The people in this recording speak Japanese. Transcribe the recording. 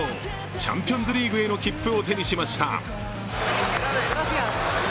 チャンピオンズリーグへの切符を手にしました。